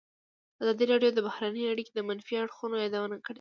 ازادي راډیو د بهرنۍ اړیکې د منفي اړخونو یادونه کړې.